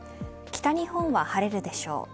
北日本は晴れるでしょう。